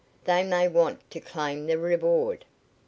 "They may want to claim the reward."